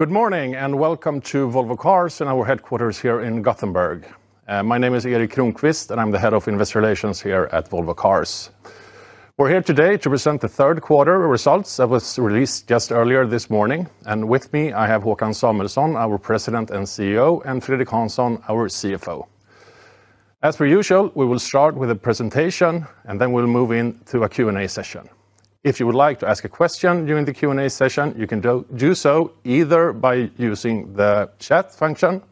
Good morning and welcome to Volvo Cars and our headquarters here in Gothenburg. My name is Erik Kronqvist and I'm the Head of Investor Relations here at Volvo Cars. We're here today to present the third quarter results that were released just earlier this morning. With me, I have Håkan Samuelsson, our President and CEO, and Fredrik Hansson, our CFO. As per usual, we will start with a presentation and then we'll move into a Q&A session. If you would like to ask a question during the Q&A session, you can do so either by using the chat function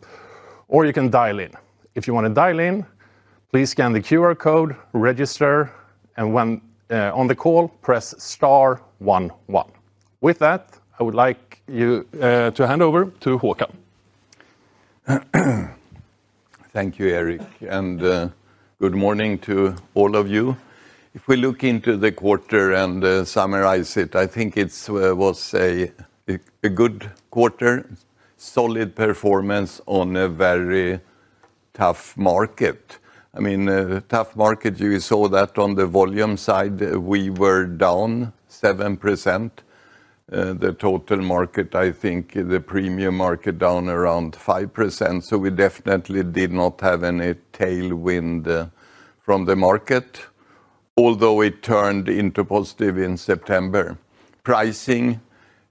or you can dial in. If you want to dial in, please scan the QR code, register, and when on the call, press star one one. With that, I would like to hand over to Håkan. Thank you, Erik, and good morning to all of you. If we look into the quarter and summarize it, I think it was a good quarter, solid performance on a very tough market. I mean, a tough market, you saw that on the volume side, we were down 7%. The total market, I think, the premium market down around 5%. We definitely did not have any tailwind from the market, although it turned into positive in September. Pricing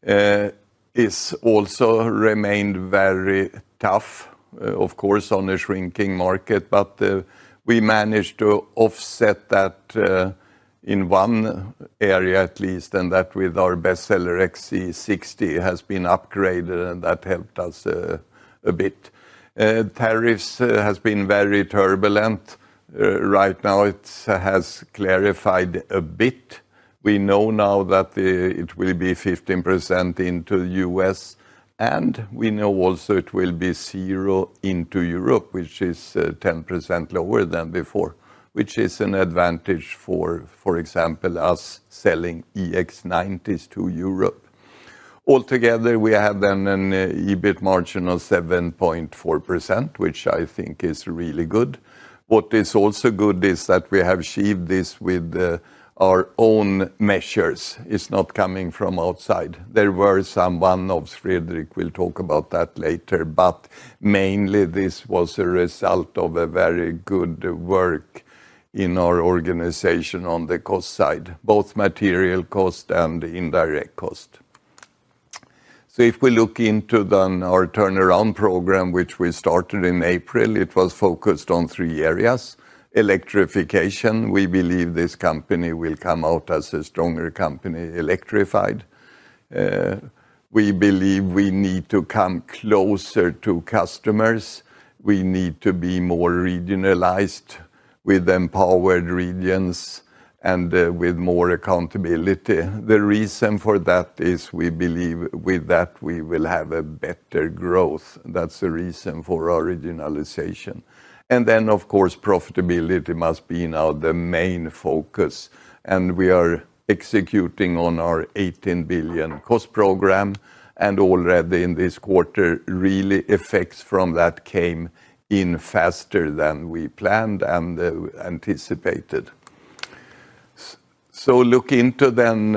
has also remained very tough, of course, on a shrinking market, but we managed to offset that in one area at least, and that with our bestseller XC60 has been upgraded and that helped us a bit. Tariffs have been very turbulent. Right now, it has clarified a bit. We know now that it will be 15% into the U.S. and we know also it will be zero into Europe, which is 10% lower than before, which is an advantage for, for example, us selling EX90s to Europe. Altogether, we have then an EBIT margin of 7.4%, which I think is really good. What is also good is that we have achieved this with our own measures. It's not coming from outside. There were some, one of Fredrik will talk about that later, but mainly this was a result of a very good work in our organization on the cost side, both material cost and indirect cost. If we look into then our turnaround program, which we started in April, it was focused on three areas. Electrification, we believe this company will come out as a stronger company electrified. We believe we need to come closer to customers. We need to be more regionalized with empowered regions and with more accountability. The reason for that is we believe with that we will have a better growth. That's the reason for our regionalization. Of course, profitability must be now the main focus. We are executing on our 18 billion cost program and already in this quarter, really effects from that came in faster than we planned and anticipated. If you look into then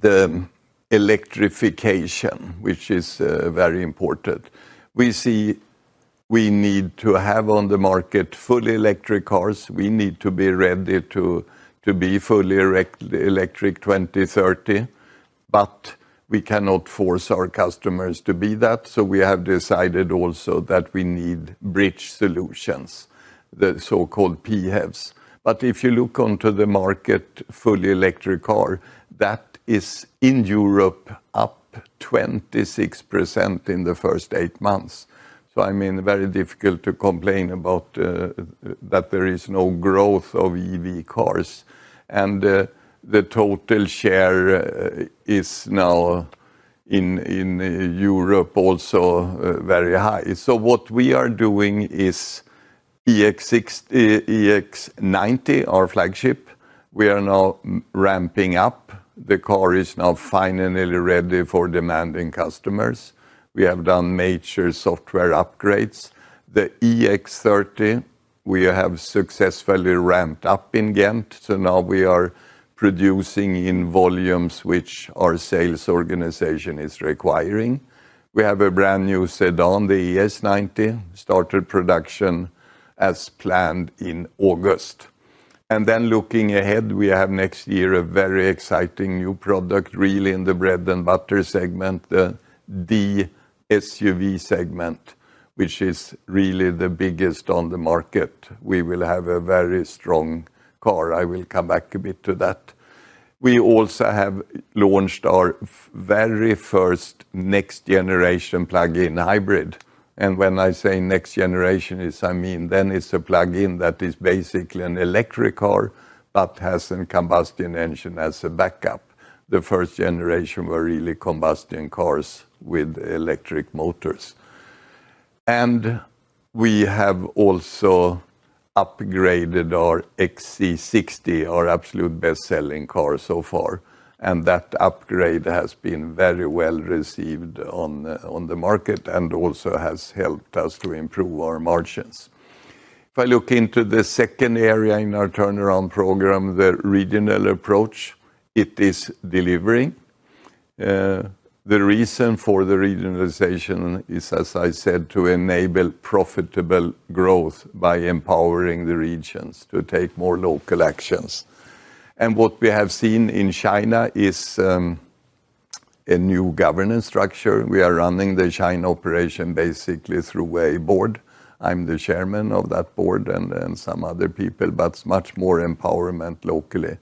the electrification, which is very important. We see we need to have on the market fully electric cars. We need to be ready to be fully electric 2030, but we cannot force our customers to be that. We have decided also that we need bridge solutions, the so-called PHEVs. If you look onto the market, fully electric car, that is in Europe up 26% in the first eight months. I mean, very difficult to complain about that there is no growth of EV cars. The total share is now in Europe also very high. What we are doing is EX90, our flagship, we are now ramping up. The car is now finally ready for demanding customers. We have done major software upgrades. The EX30, we have successfully ramped up in Ghent, so now we are producing in volumes which our sales organization is requiring. We have a brand new sedan, the ES90, started production as planned in August. Looking ahead, we have next year a very exciting new product, really in the bread and butter segment, the D-SUV segment, which is really the biggest on the market. We will have a very strong car. I will come back a bit to that. We also have launched our very first next generation plug-in hybrid. When I say next generation, I mean then it's a plug-in that is basically an electric car but has a combustion engine as a backup. The first generation were really combustion cars with electric motors. We have also upgraded our XC60, our absolute best-selling car so far. That upgrade has been very well-received on the market and also has helped us to improve our margins. If I look into the second area in our turnaround program, the regional approach, it is delivering. The reason for the regionalization is, as I said, to enable profitable growth by empowering the regions to take more local actions. What we have seen in China is a new governance structure. We are running the China operation basically through a board. I'm the chairman of that board and some other people, but much more empowerment locally.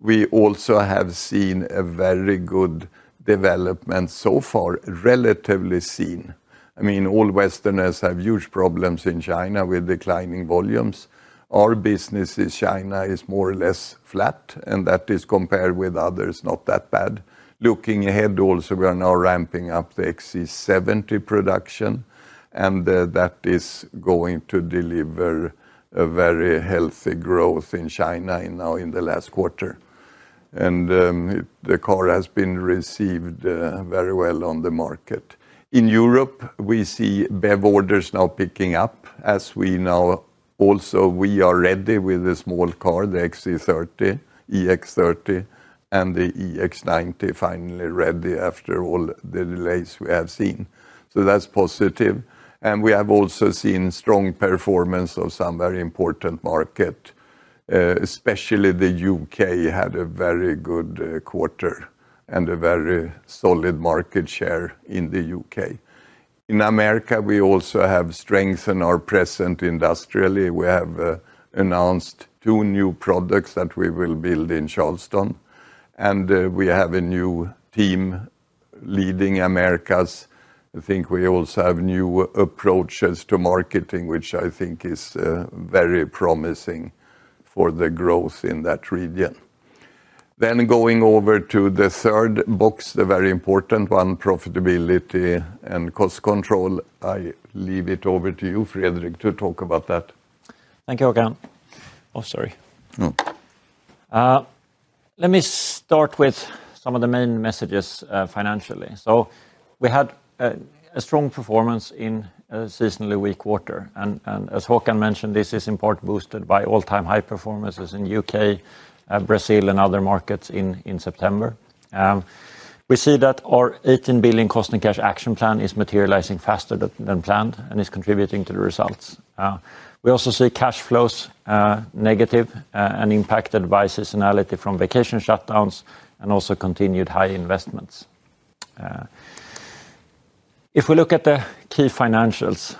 We also have seen a very good development so far, relatively seen. I mean, all Westerners have huge problems in China with declining volumes. Our business in China is more or less flat, and that is compared with others, not that bad. Looking ahead also, we are now ramping up the XC70 production, and that is going to deliver a very healthy growth in China now in the last quarter. The car has been received very well on the market. In Europe, we see BEV orders now picking up as we now also are ready with a small car, the EX30, and the EX90 finally ready after all the delays we have seen. That is positive. We have also seen strong performance of some very important markets, especially the U.K. had a very good quarter and a very solid market share in the U.K. In America, we also have strengthened our presence industrially. We have announced two new products that we will build in Charleston. We have a new team leading Americas. I think we also have new approaches to marketing, which I think is very promising for the growth in that region. Going over to the third box, the very important one, profitability and cost control, I leave it over to you, Fredrik, to talk about that. Thank you, Håkan. Sorry. Let me start with some of the main messages financially. We had a strong performance in a seasonally weak quarter. As Håkan mentioned, this is in part boosted by all-time high performances in the U.K., Brazil, and other markets in September. We see that our 18 billion cost and cash action plan is materializing faster than planned and is contributing to the results. We also see cash flows negative and impacted by seasonality from vacation shutdowns and continued high investments. If we look at the key financials,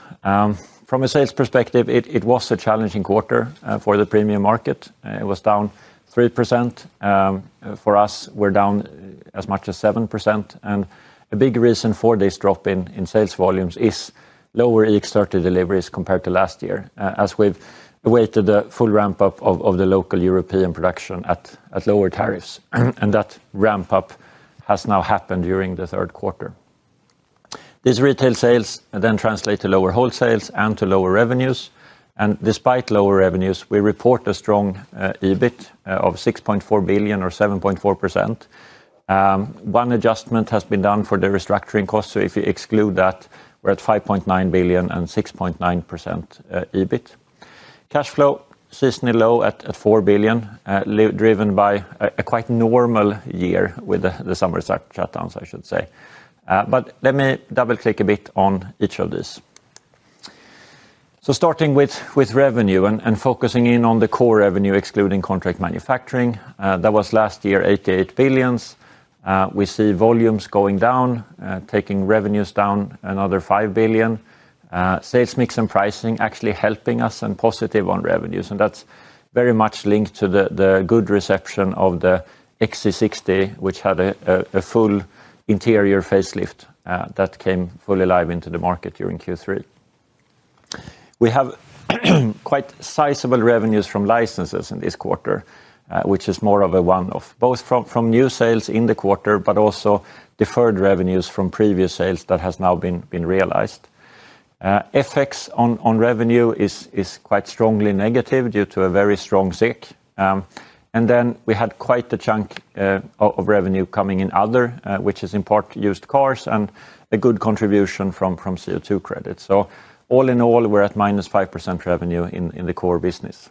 from a sales perspective, it was a challenging quarter for the premium market. It was down 3%. For us, we're down as much as 7%. A big reason for this drop in sales volumes is lower EX30 deliveries compared to last year, as we've awaited a full ramp-up of the local European production at lower tariffs. That ramp-up has now happened during the third quarter. These retail sales then translate to lower wholesales and to lower revenues. Despite lower revenues, we report a strong EBIT of 6.4 billion or 7.4%. One adjustment has been done for the restructuring cost. If you exclude that, we're at 5.9 billion and 6.9% EBIT. Cash flow seasonally low at 4 billion, driven by a quite normal year with the summer shutdowns, I should say. Let me double-click a bit on each of these. Starting with revenue and focusing in on the core revenue, excluding contract manufacturing, that was last year 88 billion. We see volumes going down, taking revenues down another 5 billion. Sales mix and pricing actually helping us and positive on revenues. That's very much linked to the good reception of the XC60, which had a full interior facelift that came fully live into the market during Q3. We have quite sizable revenues from licenses in this quarter, which is more of a one-off, both from new sales in the quarter, but also deferred revenues from previous sales that have now been realized. FX on revenue is quite strongly negative due to a very strong SEK. We had quite a chunk of revenue coming in other, which is in part used cars and a good contribution from CO2 credits. All in all, we're at -5% revenue in the core business.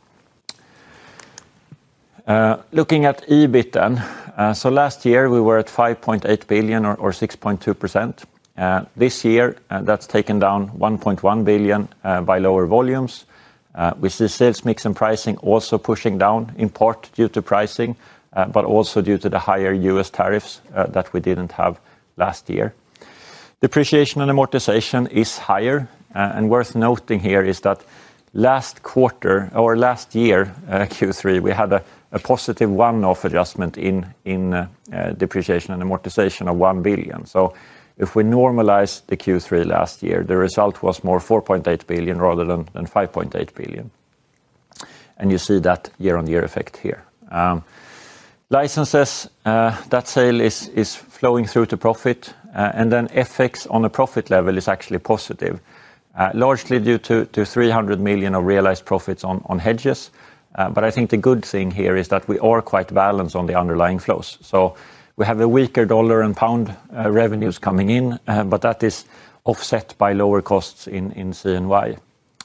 Looking at EBIT then, last year we were at 5.8 billion or 6.2%. This year, that's taken down 1.1 billion by lower volumes. We see sales mix and pricing also pushing down in part due to pricing, but also due to the higher U.S. tariffs that we didn't have last year. Depreciation and amortization is higher. Worth noting here is that last quarter, or last year Q3, we had a positive one-off adjustment in depreciation and amortization of 1 billion. If we normalize the Q3 last year, the result was more 4.8 billion rather than 5.8 billion. You see that year-on-year effect here. Licenses, that sale is flowing through to profit. FX on a profit level is actually positive, largely due to 300 million of realized profits on hedges. I think the good thing here is that we are quite balanced on the underlying flows. We have a weaker dollar and pound revenues coming in, but that is offset by lower costs in CNY.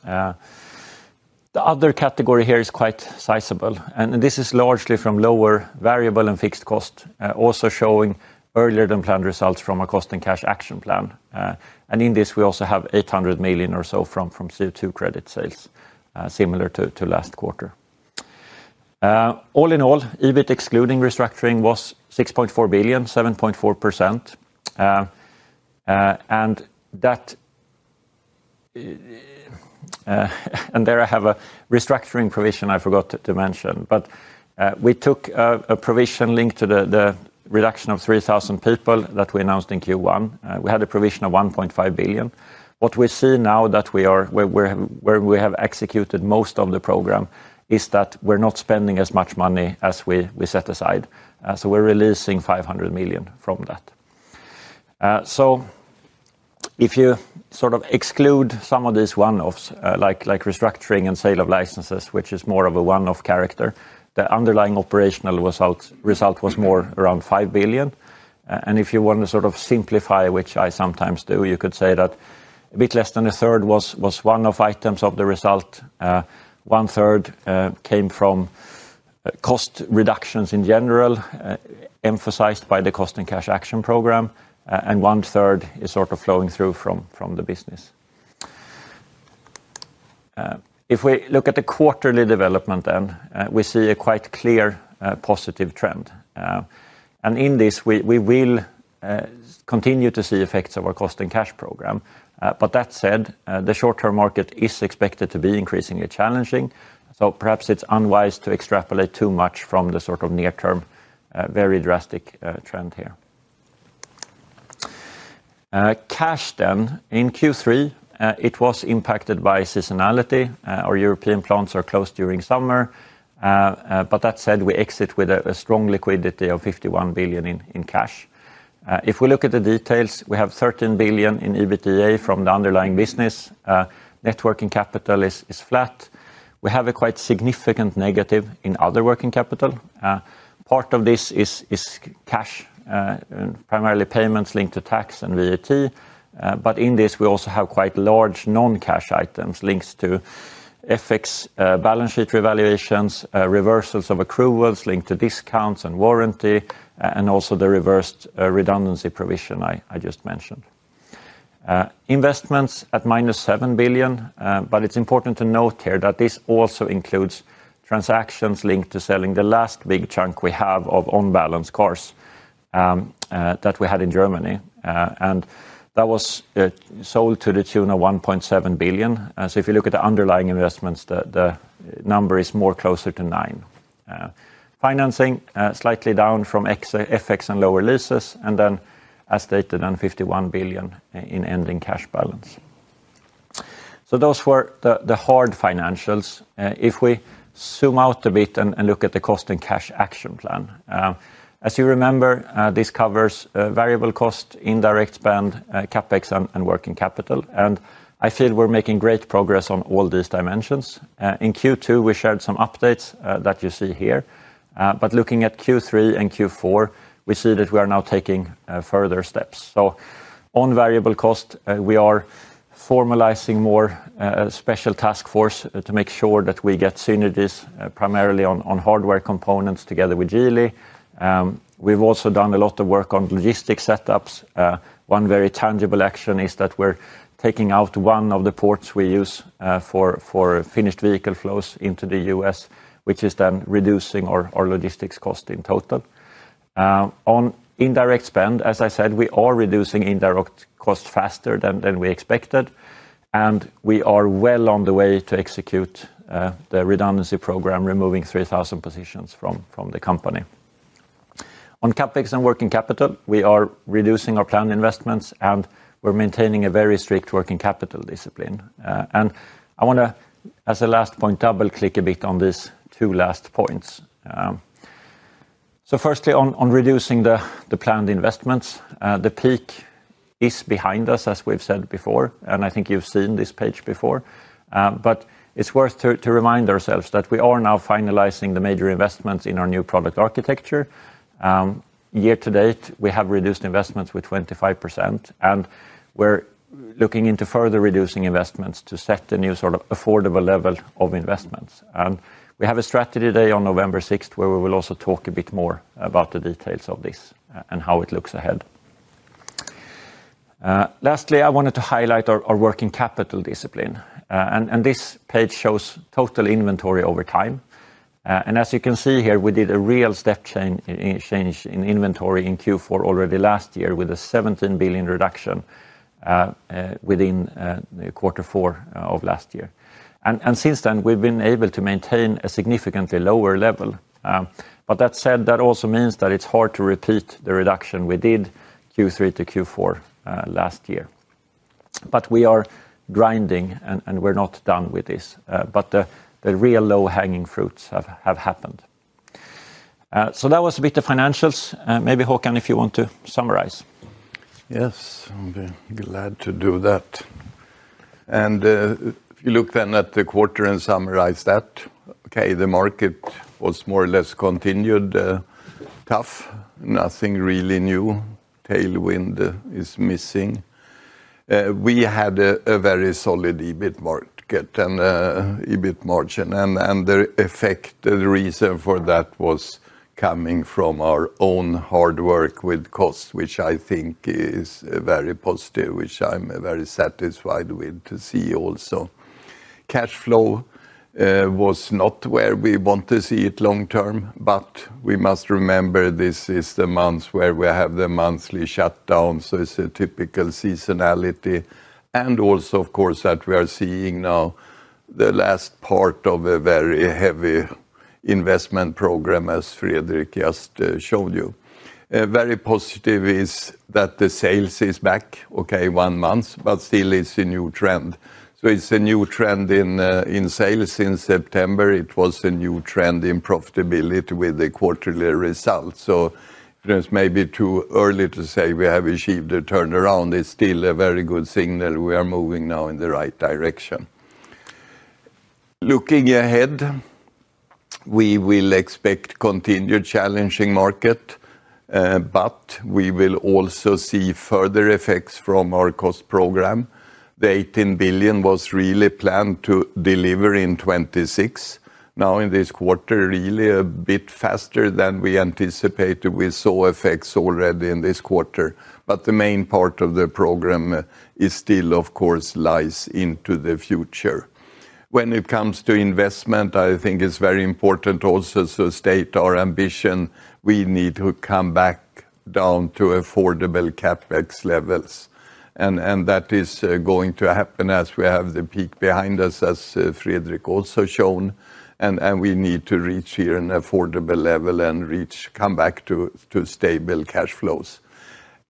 The other category here is quite sizable. This is largely from lower variable and fixed costs, also showing earlier than planned results from a cost and cash action plan. In this, we also have 800 million or so from CO2 credit sales, similar to last quarter. All in all, EBIT excluding restructuring was 6.4 billion, 7.4%. There I have a restructuring provision I forgot to mention. We took a provision linked to the reduction of 3,000 people that we announced in Q1. We had a provision of 1.5 billion. What we see now that we have executed most of the program is that we're not spending as much money as we set aside. We're releasing 500 million from that. If you sort of exclude some of these one-offs, like restructuring and sale of licenses, which is more of a one-off character, the underlying operational result was more around 5 billion. If you want to sort of simplify, which I sometimes do, you could say that a bit less than 1/3 was one-off items of the result. 1/3 came from cost reductions in general, emphasized by the cost and cash action program. 1/3 is sort of flowing through from the business. If we look at the quarterly development then, we see a quite clear positive trend. In this, we will continue to see effects of our cost and cash program. That said, the short-term market is expected to be increasingly challenging. Perhaps it's unwise to extrapolate too much from the sort of near-term very drastic trend here. Cash then, in Q3, it was impacted by seasonality. Our European plants are closed during summer. That said, we exit with a strong liquidity of 51 billion in cash. If we look at the details, we have 13 billion in EBITDA from the underlying business. Net working capital is flat. We have a quite significant negative in other working capital. Part of this is cash, primarily payments linked to tax and VAT. In this, we also have quite large non-cash items linked to FX balance sheet revaluations, reversals of accruals linked to discounts and warranty, and also the reversed redundancy provision I just mentioned. Investments -7 billion, but it's important to note here that this also includes transactions linked to selling the last big chunk we have of on-balance cars that we had in Germany. That was sold to the tune of 1.7 billion. If you look at the underlying investments, the number is more closer to 9 billion. Financing slightly down from FX and lower leases. As stated, 51 billion in ending cash balance. Those were the hard financials. If we zoom out a bit and look at the cost and cash action plan, as you remember, this covers variable cost, indirect spend, CapEx, and working capital. I feel we're making great progress on all these dimensions. In Q2, we shared some updates that you see here. Looking at Q3 and Q4, we see that we are now taking further steps. On variable cost, we are formalizing more special task force to make sure that we get synergies primarily on hardware components together with Geely. We've also done a lot of work on logistics setups. One very tangible action is that we're taking out one of the ports we use for finished vehicle flows into the U.S., which is then reducing our logistics cost in total. On indirect spend, as I said, we are reducing indirect costs faster than we expected. We are well on the way to execute the redundancy program, removing 3,000 positions from the company. On CapEx and working capital, we are reducing our planned investments, and we're maintaining a very strict working capital discipline. I want to, as a last point, double-click a bit on these two last points. Firstly, on reducing the planned investments, the peak is behind us, as we've said before. I think you've seen this page before. It's worth to remind ourselves that we are now finalizing the major investments in our new product architecture. Year to date, we have reduced investments by 25%. We're looking into further reducing investments to set a new sort of affordable level of investments. We have a strategy day on November 6, where we will also talk a bit more about the details of this and how it looks ahead. Lastly, I wanted to highlight our working capital discipline. This page shows total inventory over time. As you can see here, we did a real step change in inventory in Q4 already last year with a 17 billion reduction within quarter four of last year. Since then, we've been able to maintain a significantly lower level. That also means that it's hard to repeat the reduction we did Q3 to Q4 last year. We are grinding, and we're not done with this. The real low-hanging fruits have happened. That was a bit of financials. Maybe, Håkan, if you want to summarize. Yes, I'll be glad to do that. If you look then at the quarter and summarize that, the market was more or less continued, tough, nothing really new, tailwind is missing. We had a very solid EBIT market and EBIT margin. The effect, the reason for that was coming from our own hard work with cost, which I think is very positive, which I'm very satisfied with to see also. Cash flow was not where we want to see it long term, but we must remember this is the month where we have the monthly shutdown. It's a typical seasonality. Of course, we are seeing now the last part of a very heavy investment program, as Fredrik just showed you. Very positive is that the sales is back, one month, but still it's a new trend. It's a new trend in sales since September. It was a new trend in profitability with the quarterly results. It may be too early to say we have achieved a turnaround. It's still a very good signal. We are moving now in the right direction. Looking ahead, we will expect continued challenging market, but we will also see further effects from our cost program. The 18 billion was really planned to deliver in 2026. Now in this quarter, really a bit faster than we anticipated. We saw effects already in this quarter. The main part of the program still, of course, lies into the future. When it comes to investment, I think it's very important also to state our ambition. We need to come back down to affordable CapEx levels. That is going to happen as we have the peak behind us, as Fredrik also shown. We need to reach here an affordable level and come back to stable cash flows.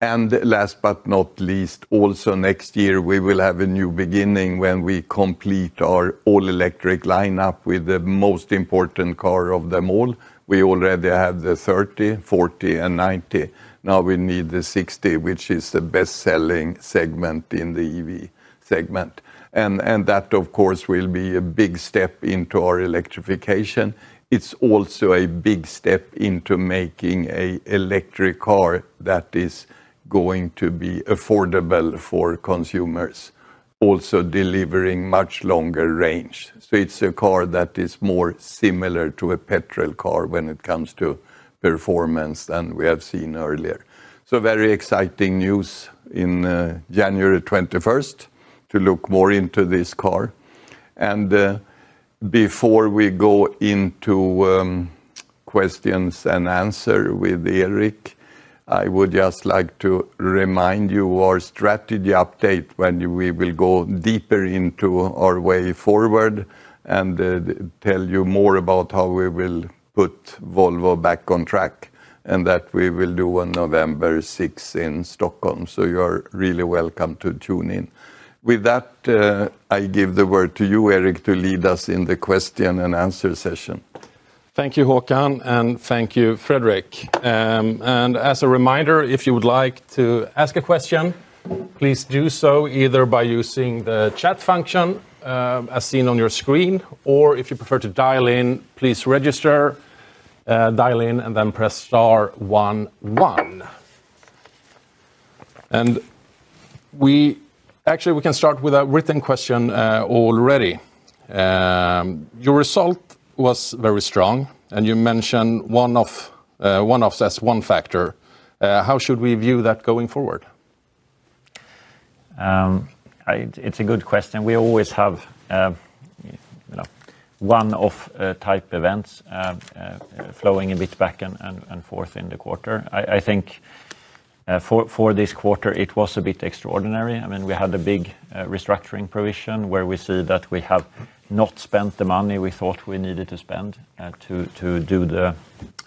Last but not least, also next year, we will have a new beginning when we complete our all-electric lineup with the most important car of them all. We already have the 30, 40, and 90. Now we need the 60, which is the best-selling segment in the EV segment. That, of course, will be a big step into our electrification. It's also a big step into making an electric car that is going to be affordable for consumers, also delivering much longer range. It's a car that is more similar to a petrol car when it comes to performance than we have seen earlier. Very exciting news on January 21 to look more into this car. Before we go into questions and answers with Erik, I would just like to remind you our strategy update when we will go deeper into our way forward and tell you more about how we will put Volvo back on track. We will do that on November 6 in Stockholm. You are really welcome to tune in. With that, I give the word to you, Erik, to lead us in the question-and-answer session. Thank you, Håkan, and thank you, Fredrik. As a reminder, if you would like to ask a question, please do so either by using the chat function as seen on your screen, or if you prefer to dial in, please register, dial in, and then press star one one. We can start with a written question already. Your result was very strong. You mentioned one-offs as one factor. How should we view that going forward? It's a good question. We always have one-off type events flowing a bit back and forth in the quarter. I think for this quarter, it was a bit extraordinary. I mean, we had a big restructuring provision where we see that we have not spent the money we thought we needed to spend to do the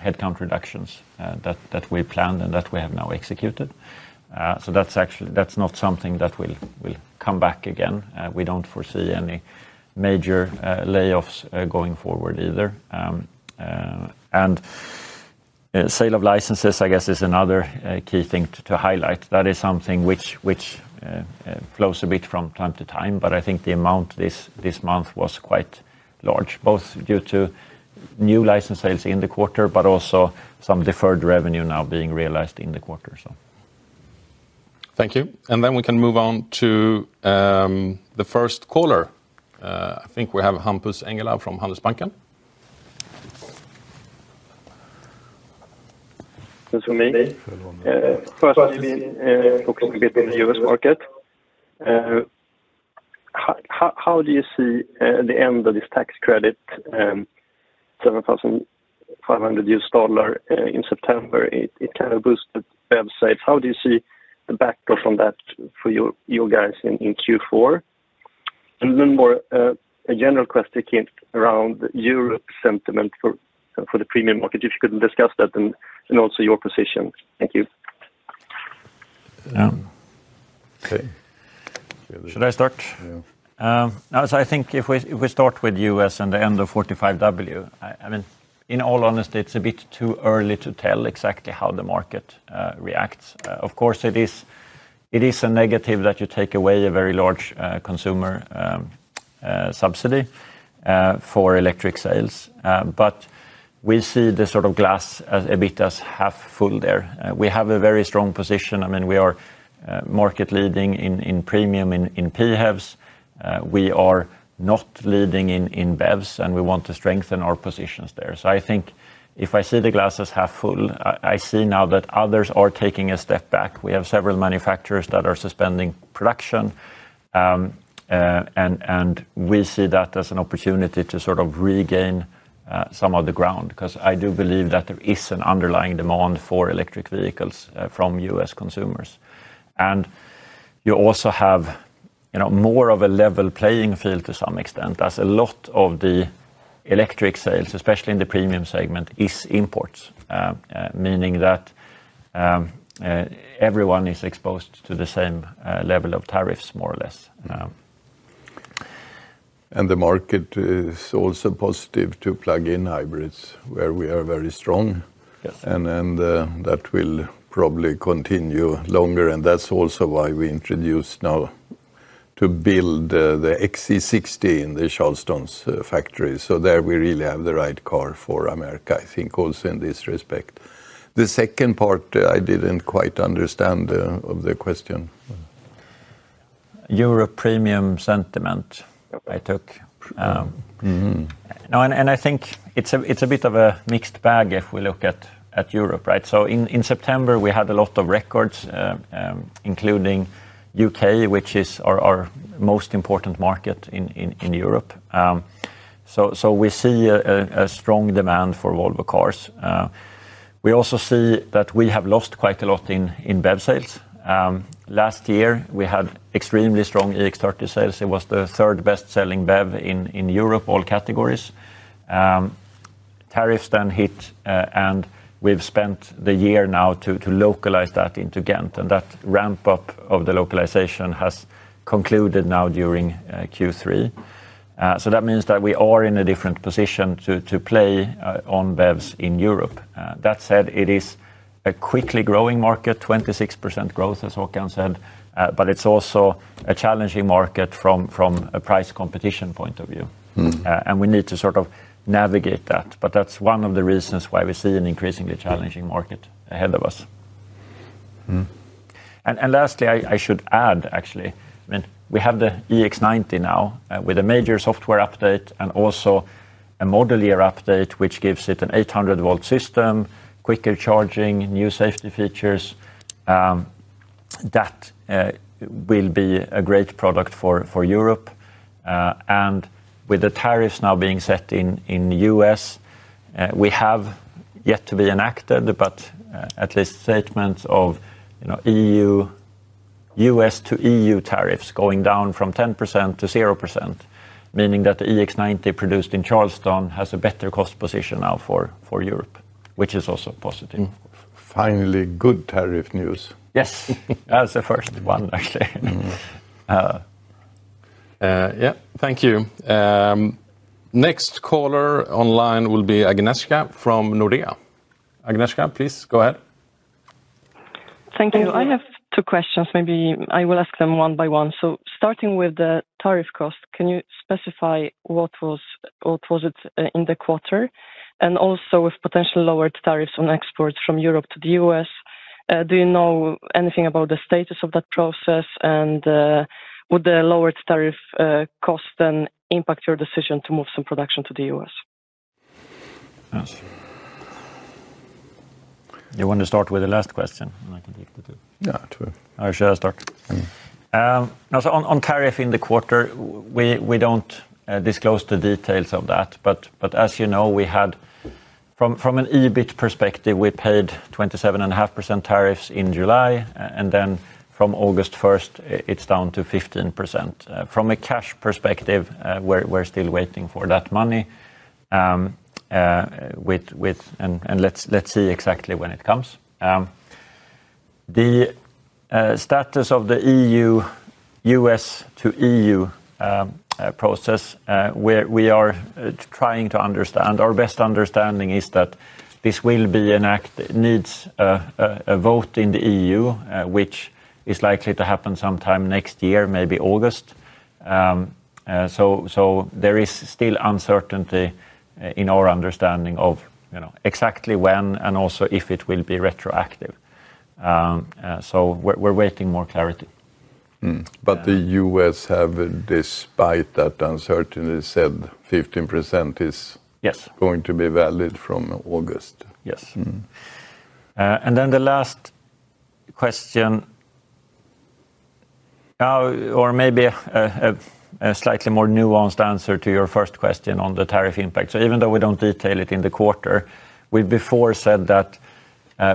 headcount reductions that we planned and that we have now executed. That's actually not something that will come back again. We don't foresee any major layoffs going forward either. Sale of licenses, I guess, is another key thing to highlight. That is something which flows a bit from time to time. I think the amount this month was quite large, both due to new license sales in the quarter, but also some deferred revenue now being realized in the quarter. Thank you. We can move on to the first caller. I think we have Hampus Engellau from Handelsbanken. First, focusing a bit on the U.S. market, how do you see the end of this tax credit, $7,500 in September? It kind of boosted websites. How do you see the backdrop on that for you guys in Q4? A more general question around Europe sentiment for the premium market, if you could discuss that and also your position. Thank you. Should I start? If we start with the U.S. and the end of 45W, in all honesty, it's a bit too early to tell exactly how the market reacts. Of course, it is a negative that you take away a very large consumer subsidy for electric sales. We see the glass a bit as half full there. We have a very strong position. We are market leading in premium in PHEVs. We are not leading in BEVs, and we want to strengthen our positions there. If I see the glass as half full, I see now that others are taking a step back. We have several manufacturers that are suspending production. We see that as an opportunity to regain some of the ground because I do believe that there is an underlying demand for electric vehicles from U.S. consumers. You also have more of a level playing field to some extent, as a lot of the electric sales, especially in the premium segment, are imports, meaning that everyone is exposed to the same level of tariffs, more or less. The market is also positive to plug-in hybrids, where we are very strong. That will probably continue longer. That is also why we introduced now to build the XC60 in the Charleston factory. There we really have the right car for America, I think, also in this respect. The second part I didn't quite understand of the question. Europe premium sentiment I took. I think it's a bit of a mixed bag if we look at Europe. In September, we had a lot of records, including the U.K., which is our most important market in Europe. We see a strong demand for Volvo Cars. We also see that we have lost quite a lot in BEV sales. Last year, we had extremely strong EX30 sales. It was the third best-selling BEV in Europe, all categories. Tariffs then hit, and we've spent the year now to localize that into Ghent. That ramp-up of the localization has concluded now during Q3. This means that we are in a different position to play on BEVs in Europe. That said, it is a quickly growing market, 26% growth, as Håkan said. It's also a challenging market from a price competition point of view. We need to sort of navigate that. That's one of the reasons why we see an increasingly challenging market ahead of us. Lastly, I should add, actually, we have the EX90 now with a major software update and also a model year update, which gives it an 800-volt system, quicker charging, new safety features. That will be a great product for Europe. With the tariffs now being set in the U.S., we have yet to be enacted, but at least statements of EU, U.S. to EU tariffs going down from 10%-0%, meaning that the EX90 produced in Charleston has a better cost position now for Europe, which is also positive. Finally, good tariff news. Yes, that's the first one, actually. Yeah, thank you. Next caller online will be Agnieszka from Nordea. Agnieszka, please go ahead. Thank you. I have two questions. Maybe I will ask them one by one. Starting with the tariff cost, can you specify what it was in the quarter? Also, with potential lowered tariffs on exports from Europe to the U.S., do you know anything about the status of that process? Would the lowered tariff cost then impact your decision to move some production to the U.S.? You want to start with the last question? I can take the two. Yeah, sure. I shall start. On tariff in the quarter, we don't disclose the details of that. As you know, we had, from an EBIT perspective, we paid 27.5% tariffs in July, and from August 1, it's down to 15%. From a cash perspective, we're still waiting for that money, and let's see exactly when it comes. The status of the U.S. to EU process, we are trying to understand. Our best understanding is that this will be enacted, needs a vote in the EU, which is likely to happen sometime next year, maybe August. There is still uncertainty in our understanding of exactly when and also if it will be retroactive. We're waiting for more clarity. The U.S. have, despite that uncertainty, said 15% is going to be valid from August. Yes. The last question, or maybe a slightly more nuanced answer to your first question on the tariff impact. Even though we don't detail it in the quarter, we before said that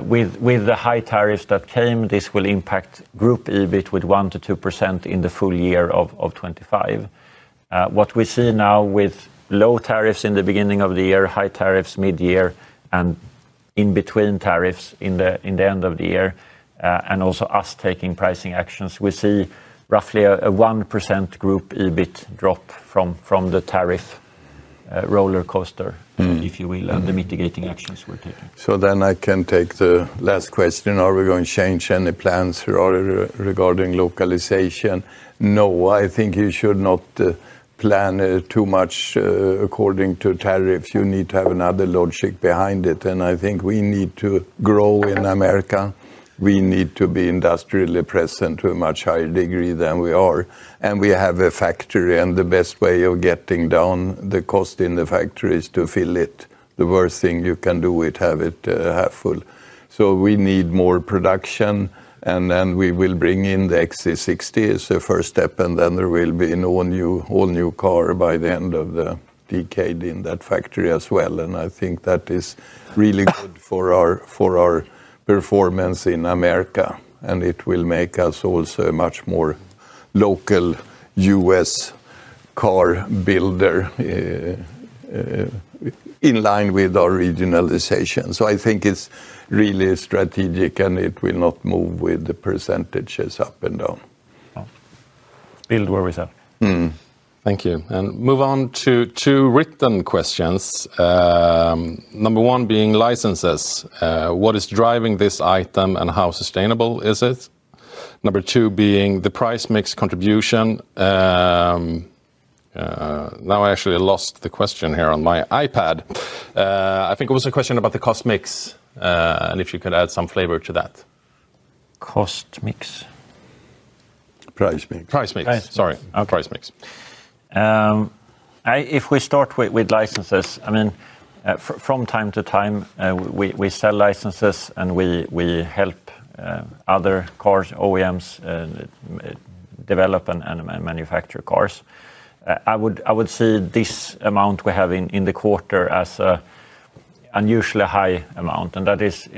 with the high tariffs that came, this will impact group EBIT with 1%-2% in the full year of 2025. What we see now with low tariffs in the beginning of the year, high tariffs mid-year, and in-between tariffs in the end of the year, and also us taking pricing actions, we see roughly a 1% group EBIT drop from the tariff roller coaster, if you will, and the mitigating actions we're taking. I can take the last question. Are we going to change any plans regarding localization? No, I think you should not plan too much according to tariffs. You need to have another logic behind it. I think we need to grow in America. We need to be industrially present to a much higher degree than we are. We have a factory, and the best way of getting down the cost in the factory is to fill it. The worst thing you can do is have it half full. We need more production, and then we will bring in the XC60. It's the first step, and then there will be an all-new car by the end of the decade in that factory as well. I think that is really good for our performance in America, and it will make us also a much more local U.S. ar builder in line with our regionalization. I think it's really strategic, and it will not move with the % up and down. Build where we stand. Thank you. Moving on to two written questions. Number one being licenses. What is driving this item and how sustainable is it? Number two being the price mix contribution. I actually lost the question here on my iPad. I think it was a question about the cost mix. If you could add some flavor to that. Cost mix? Price mix. Price mix. Sorry, price mix. If we start with licenses, from time to time, we sell licenses. We help other car OEMs develop and manufacture cars. I would see this amount we have in the quarter as an unusually high amount. That is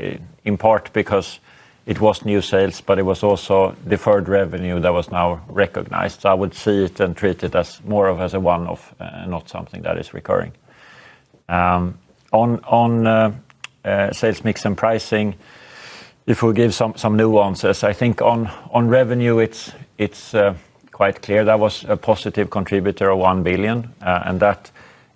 in part because it was new sales, but it was also deferred revenue that was now recognized. I would see it and treat it more as a one-off and not something that is recurring. On sales mix and pricing, if we give some nuances, I think on revenue, it's quite clear that was a positive contributor of 1 billion. That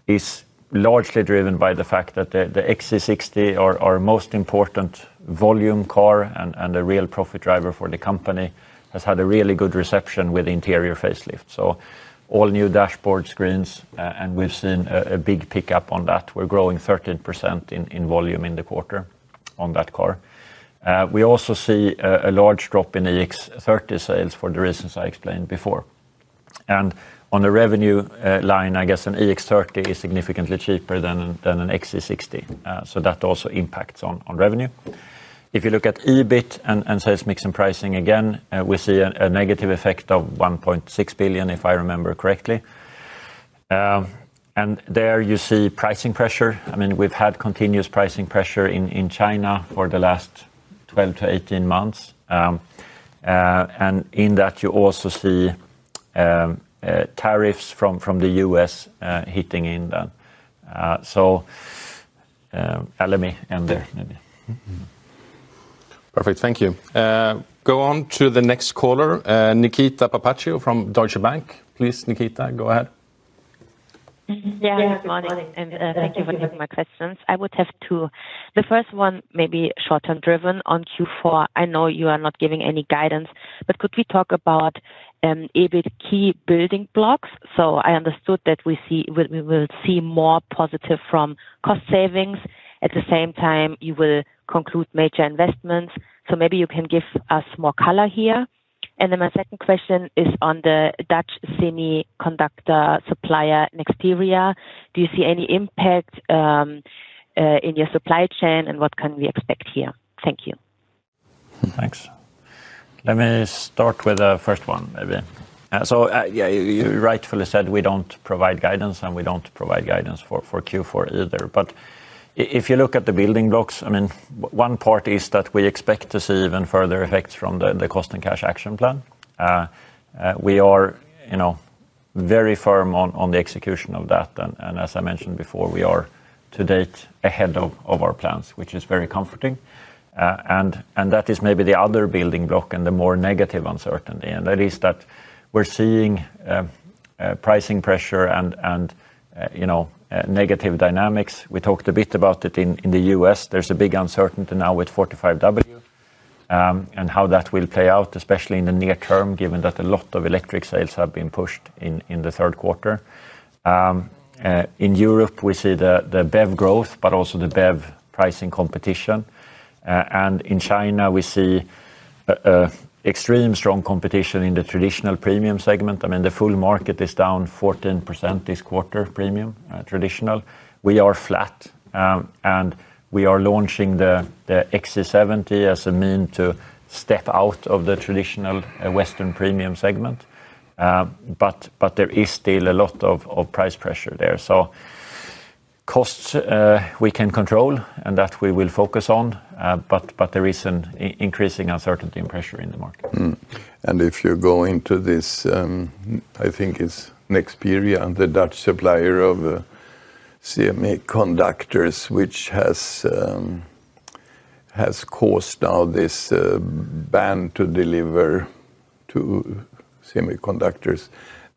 is largely driven by the fact that the XC60, our most important volume car and the real profit driver for the company, has had a really good reception with the interior facelift. All-new dashboard screens. We've seen a big pickup on that. We're growing 13% in volume in the quarter on that car. We also see a large drop in EX30 sales for the reasons I explained before. On the revenue line, I guess an EX30 is significantly cheaper than an XC60. That also impacts revenue. If you look at EBIT and sales mix and pricing again, we see a negative effect of 1.6 billion, if I remember correctly. There you see pricing pressure. We've had continuous pricing pressure in China for the last 12-18 months. In that, you also see tariffs from the U.S. hitting in then. Let me end there. Perfect. Thank you. Go on to the next caller, Nikita Papaccio from Deutsche Bank. Please, Nikita, go ahead. Good morning. Thank you for taking my questions. I would have two. The first one may be short-term driven on Q4. I know you are not giving any guidance, but could we talk about EBIT key building blocks? I understood that we will see more positive from cost savings. At the same time, you will conclude major investments. Maybe you can give us more color here. My second question is on the Dutch semiconductor supplier, Nexteria. Do you see any impact in your supply chain? What can we expect here? Thank you. Thanks. Let me start with the first one, maybe. You rightfully said we don't provide guidance, and we don't provide guidance for Q4 either. If you look at the building blocks, one part is that we expect to see even further effects from the cost and cash action plan. We are very firm on the execution of that, and as I mentioned before, we are to date ahead of our plans, which is very comforting. That is maybe the other building block and the more negative uncertainty. That is that we're seeing pricing pressure and negative dynamics. We talked a bit about it in the U.S. There's a big uncertainty now with 45W and how that will play out, especially in the near term, given that a lot of electric sales have been pushed in the third quarter. In Europe, we see the BEV growth, but also the BEV pricing competition. In China, we see extreme strong competition in the traditional premium segment. The full market is down 14% this quarter, premium traditional. We are flat, and we are launching the XC60 as a means to step out of the traditional Western premium segment. There is still a lot of price pressure there. Costs we can control, and that we will focus on. There is an increasing uncertainty and pressure in the market. If you go into this, I think it's Nexperia, the Dutch supplier of semiconductors, which has caused now this ban to deliver semiconductors.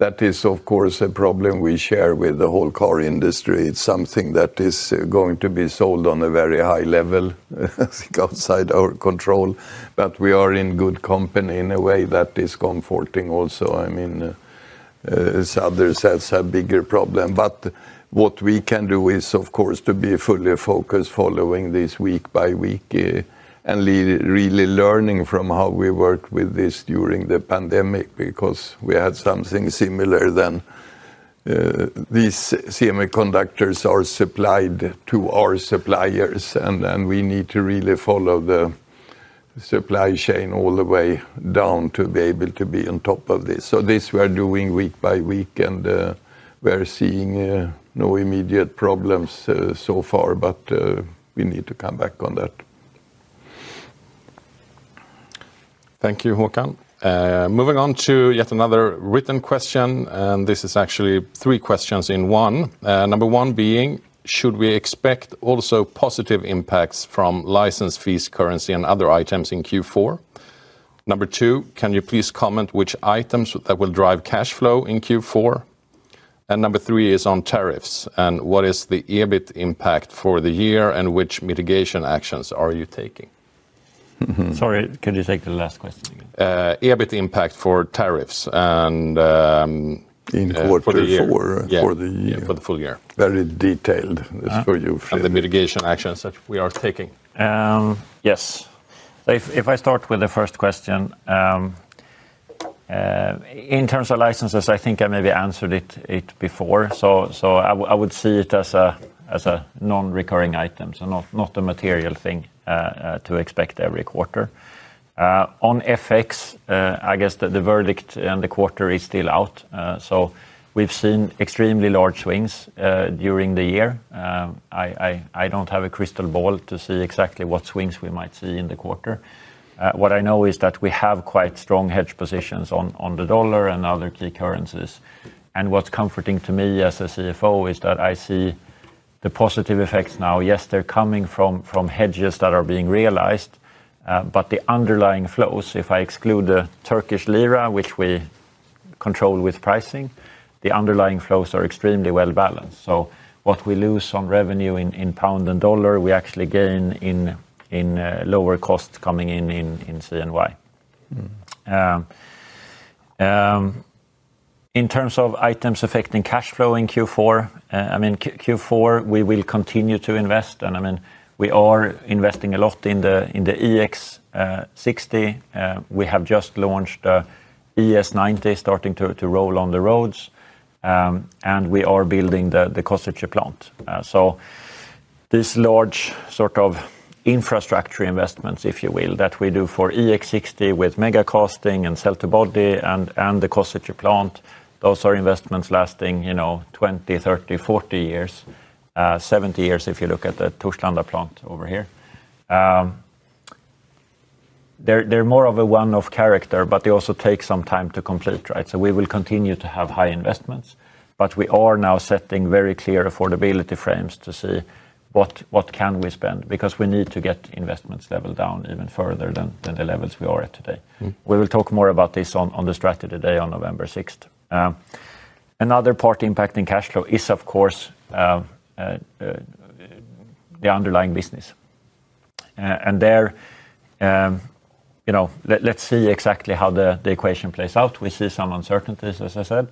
That is, of course, a problem we share with the whole car industry. It's something that is going to be solved on a very high level outside our control. We are in good company in a way that is comforting also. I mean, others have a bigger problem. What we can do is, of course, to be fully focused following this week by week and really learning from how we worked with this during the pandemic because we had something similar then. These semiconductors are supplied to our suppliers, and we need to really follow the supply chain all the way down to be able to be on top of this. This we're doing week by week, and we're seeing no immediate problems so far. We need to come back on that. Thank you, Håkan. Moving on to yet another written question. This is actually three questions in one. Number one being, should we expect also positive impacts from license fees, currency, and other items in Q4? Number two, can you please comment which items that will drive cash flow in Q4? Number three is on tariffs. What is the EBIT impact for the year, and which mitigation actions are you taking? Sorry, can you take the last question again? EBIT impact for tariffs. In Q4 for the year? Yeah, for the full year. Very detailed for you. The mitigation actions that we are taking. Yes. If I start with the first question, in terms of licenses, I think I maybe answered it before. I would see it as a non-recurring item, so not a material thing to expect every quarter. On FX, I guess the verdict and the quarter is still out. We have seen extremely large swings during the year. I don't have a crystal ball to see exactly what swings we might see in the quarter. What I know is that we have quite strong hedge positions on the dollar and other key currencies. What's comforting to me as a CFO is that I see the positive effects now. Yes, they're coming from hedges that are being realized. The underlying flows, if I exclude the Turkish lira, which we control with pricing, the underlying flows are extremely well balanced. What we lose on revenue in pound and dollar, we actually gain in lower costs coming in in CNY. In terms of items affecting cash flow in Q4, Q4, we will continue to invest. We are investing a lot in the XC60. We have just launched the ES90 starting to roll on the roads. We are building the Kossuth plant. These large sort of infrastructure investments, if you will, that we do for XC60 with mega casting and cell to body and the Kossuth plant, those are investments lasting 20, 30, 40 years, 70 years if you look at the Torslanda plant over here. They're more of a one-off character, but they also take some time to complete. We will continue to have high investments. We are now setting very clear affordability frames to see what can we spend because we need to get investments leveled down even further than the levels we are at today. We will talk more about this on the strategy day on November 6. Another part impacting cash flow is, of course, the underlying business. Let's see exactly how the equation plays out. We see some uncertainties, as I said.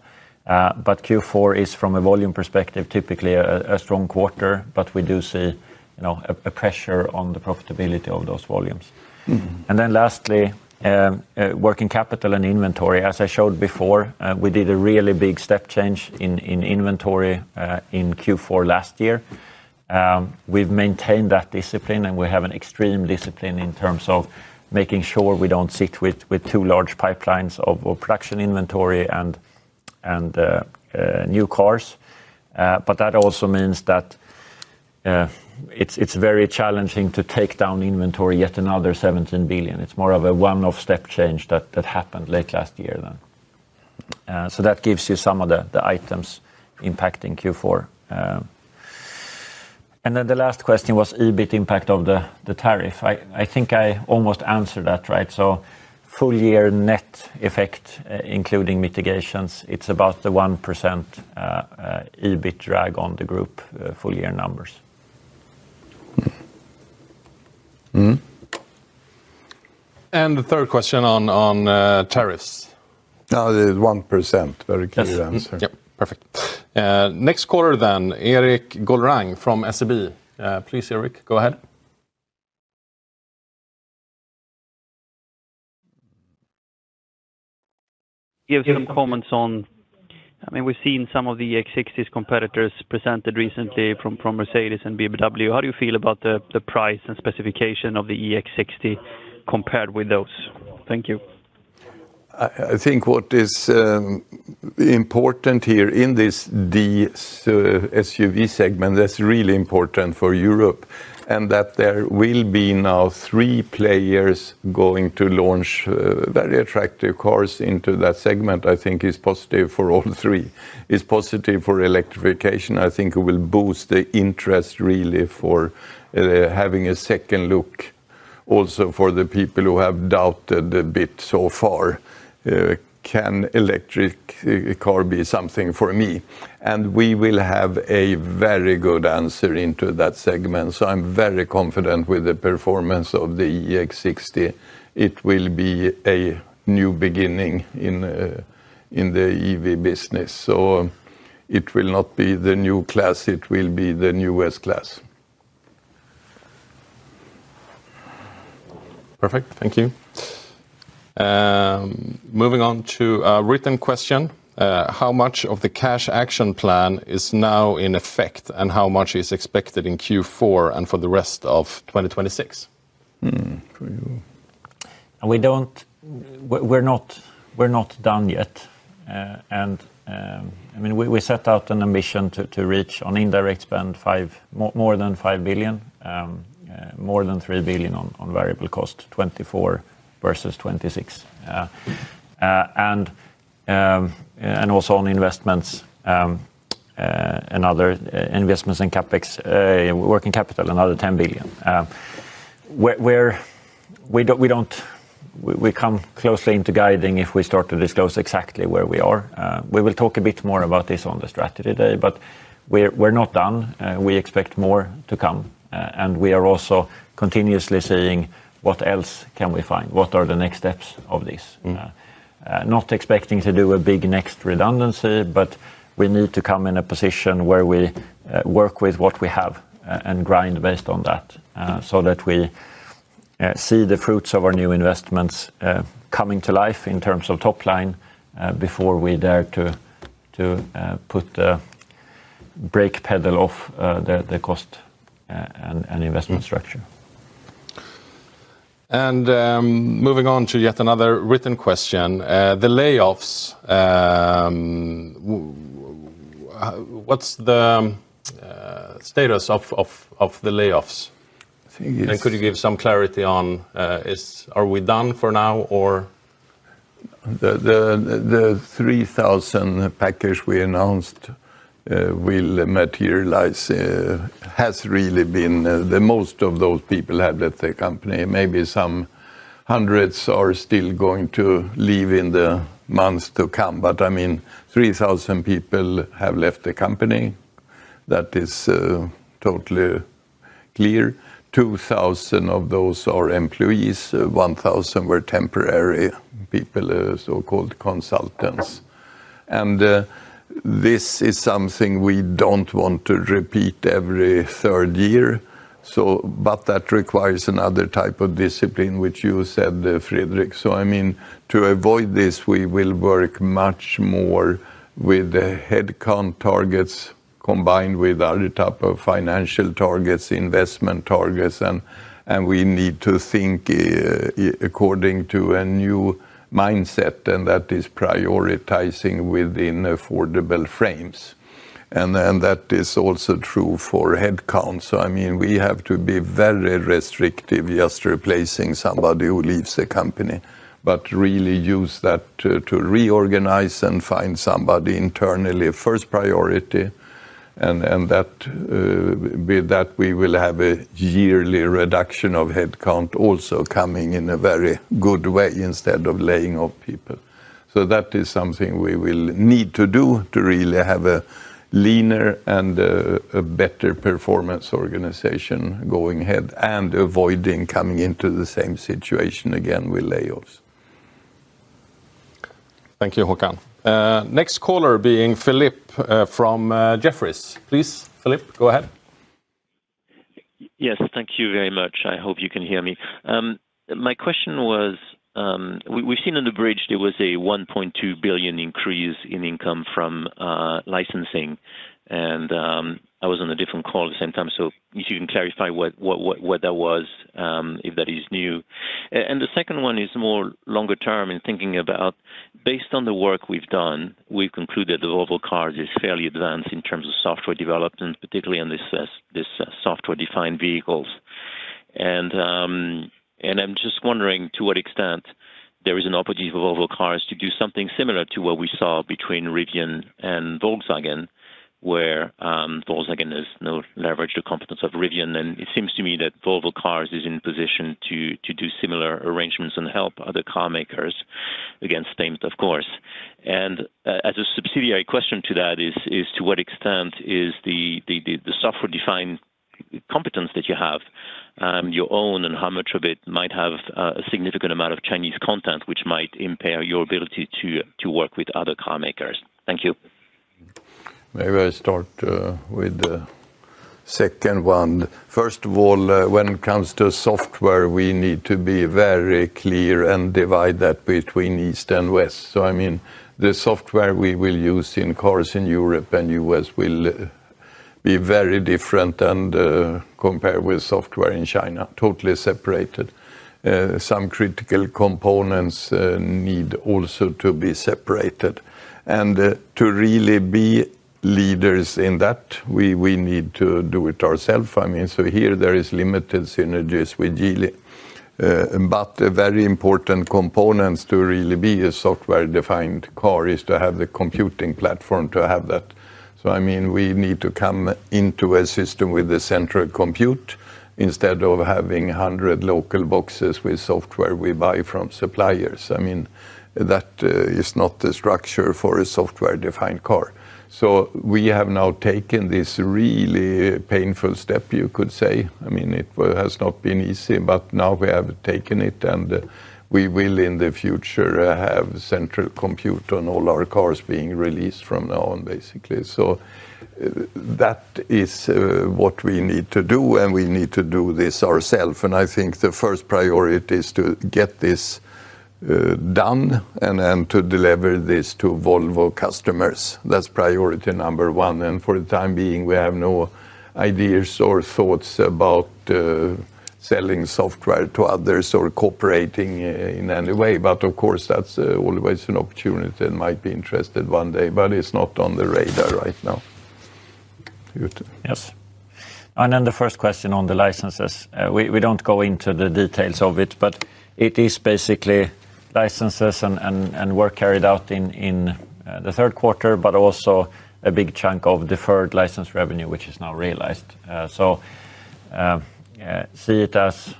Q4 is, from a volume perspective, typically a strong quarter. We do see a pressure on the profitability of those volumes. Lastly, working capital and inventory. As I showed before, we did a really big step change in inventory in Q4 last year. We've maintained that discipline. We have an extreme discipline in terms of making sure we don't sit with too large pipelines of production inventory and new cars. That also means that it's very challenging to take down inventory, yet another 17 billion. It's more of a one-off step change that happened late last year then. That gives you some of the items impacting Q4. The last question was EBIT impact of the tariff. I think I almost answered that, right? Full-year net effect, including mitigations, it's about the 1% EBIT drag on the group full-year numbers. The third question on tariffs. 1%, very clear answer. Perfect. Next caller then, Erik Golrang from SEB. Please, Erik, go ahead. I have some comments on, I mean, we've seen some of the EX60's competitors presented recently from Mercedes and BMW. How do you feel about the price and specification of the EX60 compared with those? Thank you. I think what is important here in this D-SUV segment that's really important for Europe is that there will be now three players going to launch very attractive cars into that segment. I think it is positive for all three, is positive for electrification. I think it will boost the interest really for having a second look also for the people who have doubted a bit so far. Can an electric car be something for me? We will have a very good answer into that segment. I am very confident with the performance of the EX90. It will be a new beginning in the EV business. It will not be the new class. It will be the newest class. Perfect. Thank you. Moving on to a written question. How much of the cash action plan is now in effect, and how much is expected in Q4 and for the rest of 2026? We're not done yet. I mean, we set out an ambition to reach on indirect spend more than 5 billion, more than 3 billion on variable cost, 2024 versus 2026. Also, on investments and other investments in working capital, another 10 billion. We don't come closely into guiding if we start to disclose exactly where we are. We will talk a bit more about this on the strategy day. We're not done. We expect more to come. We are also continuously seeing what else can we find, what are the next steps of this. Not expecting to do a big next redundancy, but we need to come in a position where we work with what we have and grind based on that so that we see the fruits of our new investments coming to life in terms of top line before we dare to put the brake pedal off the cost and investment structure. Moving on to yet another written question. The layoffs, what's the status of the layoffs? Could you give some clarity on, are we done for now or? The 3,000 package we announced will materialize. Most of those people have left the company. Maybe some hundreds are still going to leave in the months to come. I mean, 3,000 people have left the company. That is totally clear. 2,000 of those are employees. 1,000 were temporary people, so-called consultants. This is something we don't want to repeat every third year. That requires another type of discipline, which you said, Fredrik. To avoid this, we will work much more with the headcount targets, combined with other types of financial targets, investment targets. We need to think according to a new mindset. That is prioritizing within affordable frames. That is also true for headcount. We have to be very restrictive, just replacing somebody who leaves the company, but really use that to reorganize and find somebody internally, first priority. With that, we will have a yearly reduction of headcount also coming in a very good way instead of laying off people. That is something we will need to do to really have a leaner and a better performance organization going ahead and avoiding coming into the same situation again with layoffs. Thank you, Håkan. Next caller being Philip from Jefferies. Please, Philip, go ahead. Yes, thank you very much. I hope you can hear me. My question was, we've seen on the bridge there was a 1.2 billion increase in income from license sales. I was on a different call at the same time, so if you can clarify what that was, if that is new. The second one is more longer term in thinking about, based on the work we've done, we've concluded that Volvo Cars is fairly advanced in terms of software development, particularly on these software-defined vehicles. I'm just wondering to what extent there is an opportunity for Volvo Cars to do something similar to what we saw between Rivian and Volkswagen, where Volkswagen has no leverage or competence of Rivian. It seems to me that Volvo Cars is in position to do similar arrangements and help other car makers, against stains, of course. As a subsidiary question to that, to what extent is the software-defined competence that you have your own and how much of it might have a significant amount of Chinese content, which might impair your ability to work with other car makers? Thank you. Maybe I start with the second one. First of all, when it comes to software, we need to be very clear and divide that between East and West. I mean, the software we will use in cars in Europe and the U.S. will be very different compared with software in China, totally separated. Some critical components need also to be separated. To really be leaders in that, we need to do it ourselves. I mean, here there are limited synergies with Geely. A very important component to really be a software-defined car is to have the computing platform to have that. We need to come into a system with a central compute instead of having 100 local boxes with software we buy from suppliers. That is not the structure for a software-defined car. We have now taken this really painful step, you could say. It has not been easy, but now we have taken it. We will in the future have central compute on all our cars being released from now on, basically. That is what we need to do, and we need to do this ourselves. I think the first priority is to get this done and to deliver this to Volvo customers. That's priority number one. For the time being, we have no ideas or thoughts about selling software to others or cooperating in any way. Of course, that's always an opportunity and might be interesting one day, but it's not on the radar right now Yes. The first question on the licenses. We don't go into the details of it. It is basically licenses and work carried out in the third quarter, but also a big chunk of deferred license revenue, which is now realized. See it as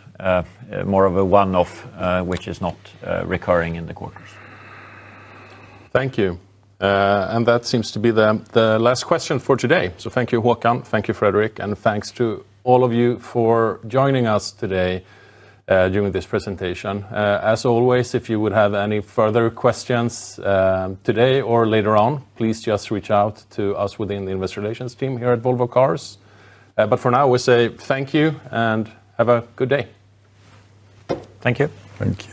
more of a one-off, which is not recurring in the quarters. Thank you. That seems to be the last question for today. Thank you, Håkan. Thank you, Fredrik. Thanks to all of you for joining us today during this presentation. As always, if you would have any further questions today or later on, please just reach out to us within the Investor Relations team here at Volvo Cars. For now, we say thank you and have a good day. Thank you. Thank you.